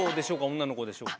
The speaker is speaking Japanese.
女の子でしょうか？